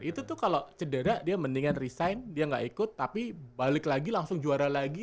itu tuh kalau cedera dia mendingan resign dia nggak ikut tapi balik lagi langsung juara lagi